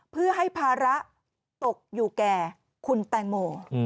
เพื่อให้ภาระตกอยู่แก่คุณแตงโม